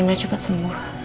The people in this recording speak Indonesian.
semoga nino cepat sembuh